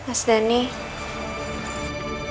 terima kasih dietku